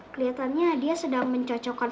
kelihatannya dia sedang mencocokkan